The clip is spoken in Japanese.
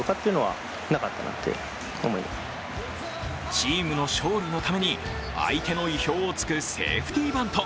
チームの勝利のために相手の意表を突くセーフティバント。